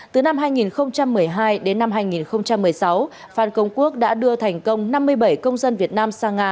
từ năm hai nghìn một mươi hai đến năm hai nghìn một mươi sáu phan công quốc đã đưa thành công năm mươi bảy công dân việt nam sang nga